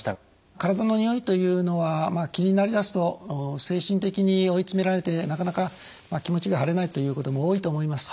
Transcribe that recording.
体のにおいというのは気になりだすと精神的に追い詰められてなかなか気持ちが晴れないということも多いと思います。